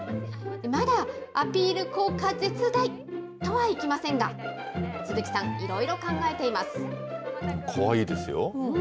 まだアピール効果絶大とはいきませんが、鈴木さん、いろいろ考えかわいいですよ。